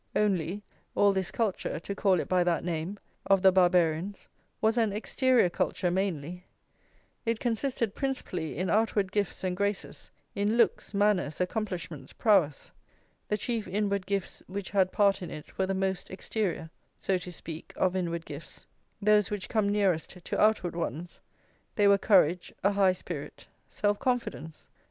Only, all this culture (to call it by that name) of the Barbarians was an exterior culture mainly: it consisted principally in outward gifts and graces, in looks, manners, accomplishments, prowess; the chief inward gifts which had part in it were the most exterior, so to speak, of inward gifts, those which come nearest to outward ones: they were courage, a high spirit, self confidence.